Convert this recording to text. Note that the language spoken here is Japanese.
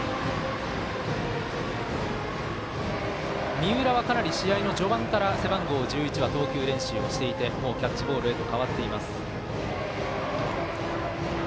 三浦はかなり試合の序盤から背番号１１は投球練習をしていてもうキャッチボールへと変わっています。